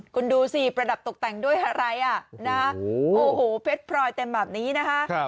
คุณดูสิประดับตกแต่งด้วยอะไรอ่ะนะโอ้โหเพชรพลอยเต็มแบบนี้นะคะ